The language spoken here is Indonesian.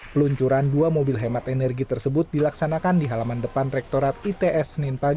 peluncuran dua mobil hemat energi tersebut dilaksanakan di halaman depan rektorat its senin pagi